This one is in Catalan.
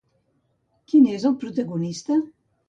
Qui n'és el protagonista?